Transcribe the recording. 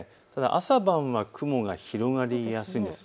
朝晩は雲が広がりやすいです。